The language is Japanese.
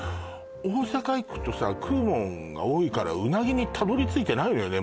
大阪行くとさ食うもんが多いからうなぎにたどり着いてないのよね